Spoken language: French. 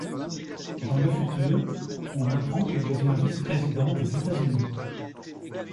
Dans le futur, on apprend qu'il devient vice-président des États-Unis.